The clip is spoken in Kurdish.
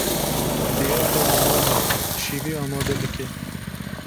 Dêya te li mal e şîvê amade dike.